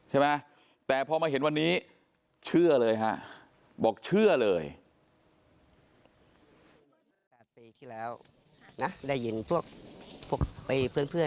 โอ้โหคนมาเล่าอย่างนี้ใครจะไปเชื่อ